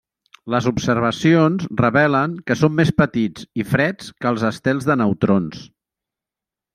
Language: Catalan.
Les observacions revelen que són més petits i freds que els estels de neutrons.